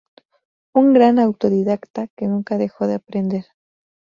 Un gran autodidacta que nunca dejo de aprender.